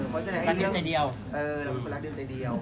เพราะฉะนั้นใจเดียวเราเป็นคนรักเดียวใจเดียว